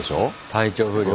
体調不良。